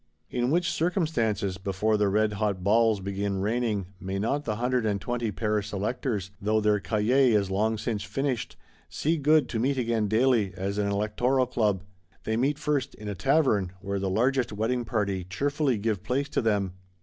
In which circumstances, before the redhot balls begin raining, may not the Hundred and twenty Paris Electors, though their Cahier is long since finished, see good to meet again daily, as an "Electoral Club"? They meet first "in a Tavern;"—where "the largest wedding party" cheerfully give place to them.